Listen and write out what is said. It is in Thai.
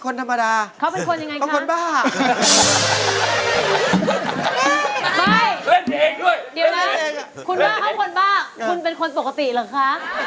คุณบ้าเข้าคนบ้าคุณเป็นคนปกติหรือคะ